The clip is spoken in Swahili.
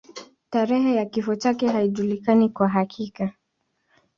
Tarehe ya kifo chake haijulikani kwa uhakika.